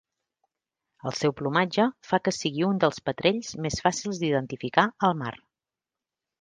El seu plomatge fa que sigui un dels petrells més fàcils d'identificar al mar.